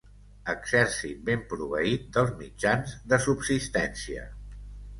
Exèrcit ben proveït dels mitjans de subsistència.